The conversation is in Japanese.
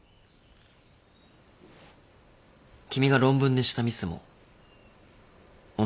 君が論文でしたミスも同じ理由だった。